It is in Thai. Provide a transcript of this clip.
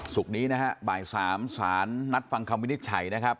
ศุกร์นี้นะฮะบ่าย๓สารนัดฟังคำวินิจฉัยนะครับ